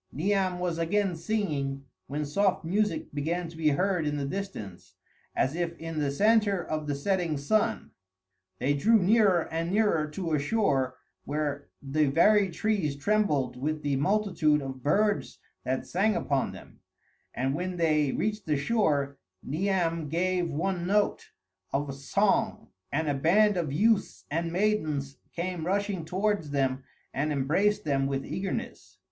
Niam was again singing, when soft music began to be heard in the distance, as if in the centre of the setting sun. They drew nearer and nearer to a shore where the very trees trembled with the multitude of birds that sang upon them; and when they reached the shore, Niam gave one note of song, and a band of youths and maidens came rushing towards them and embraced them with eagerness.